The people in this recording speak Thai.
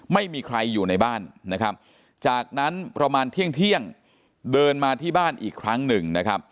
ไม่มีใครอยู่ในบ้านนะครับจากนั้นประมาณเที่ยงเดินมาที่บ้านอีกครั้งหนึ่งนะครับ